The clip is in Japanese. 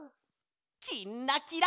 「きんらきら」。